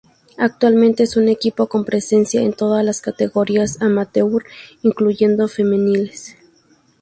Actualmente es un equipo con presencia en todas la categorías amateur, incluyendo femeniles.